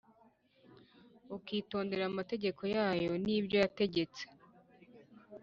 ukitondera amategeko yayo n’ibyo yategetse